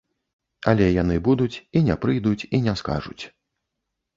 Але яны будуць і не прыйдуць і не скажуць.